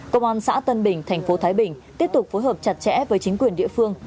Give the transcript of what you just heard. công an xã tân bình thành phố thái bình tiếp tục phối hợp chặt chẽ với chính quyền địa phương